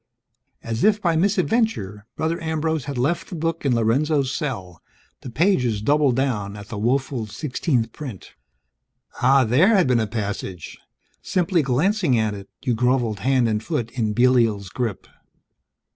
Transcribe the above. As if by misadventure, Brother Ambrose had left the book in Lorenzo's cell, the pages doubled down at the woeful sixteenth print. Ah, there had been a passage! Simply glancing at it, you groveled hand and foot in Belial's grip.